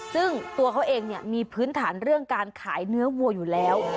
ซึ่งตัวเขาเองมีพื้นฐานเรื่องการขายเนื้อวัวอยู่แล้ว